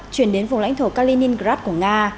chuyển đến vùng lãnh thổ kaliningrad của nga